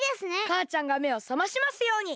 かあちゃんがめをさましますように！